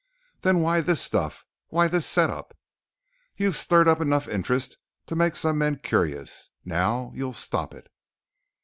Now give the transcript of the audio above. "Then why this stuff? Why this set up?" "You've stirred up enough interest to make some men curious. Now you'll stop it."